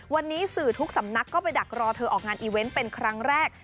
วันนี้สื่อทุกสำนักก็ไปดักรอเธอออกงานอีเวนต์เป็นครั้งแรก